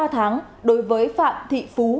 ba tháng đối với phạm thị phú